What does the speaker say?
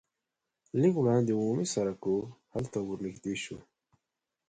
لږ وړاندې عمومي سرک و هلته ور نږدې شوو.